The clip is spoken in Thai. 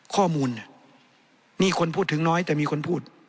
ข้อมูลมีคนพูดถึงน้อยแต่มีคนพูด